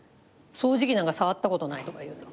掃除機なんか触ったことないとか言うと。